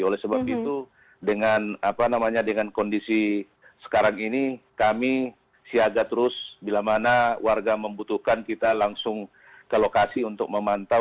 oleh sebab itu dengan kondisi sekarang ini kami siaga terus bila mana warga membutuhkan kita langsung ke lokasi untuk memantau